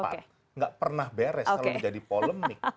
tidak pernah beres selalu jadi polemik